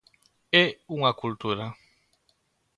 É unha cultura.